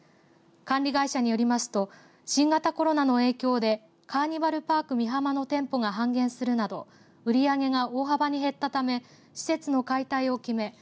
管理会社によりますと新型コロナの影響でカーニバルパーク・ミハマの店舗が半減するなど売り上げが大幅に減ったため施設の解体を決め